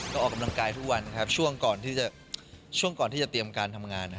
ก็ออกกำลังกายทุกวันครับช่วงก่อนที่จะเตรียมการทำงาน